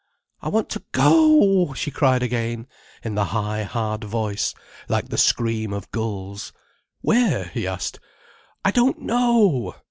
"I want to go," she cried again, in the high, hard voice, like the scream of gulls. "Where?" he asked. "I don't know."